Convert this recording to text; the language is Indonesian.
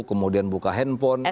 kemudian buka handphone